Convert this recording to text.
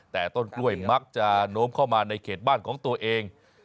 แต่ต้นกล้วยมักจะโน้มเข้ามาในเขตบ้านของตัวเอง